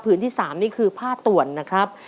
ที่๓นี่คือผ้าต่วนนะครับ